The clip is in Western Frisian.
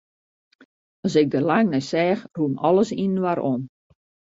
As ik der lang nei seach, rûn alles yninoar om.